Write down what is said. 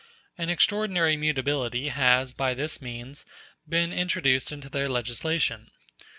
An extraordinary mutability has, by this means, been introduced into their legislation.